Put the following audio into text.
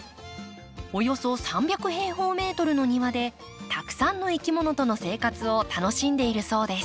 およそ３００平方メートルの庭でたくさんのいきものとの生活を楽しんでいるそうです。